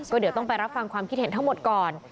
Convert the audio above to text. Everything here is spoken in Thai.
ก็เดี๋ยวต้องไปรับฟังความคิดเห็นทั้งหมดก่อน